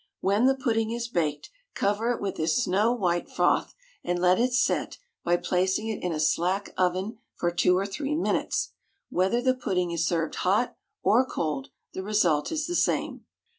When the pudding is baked, cover it with this snow white froth, and let it set by placing it in a slack oven for two or three minutes. Whether the pudding is served hot or cold, the result is the same.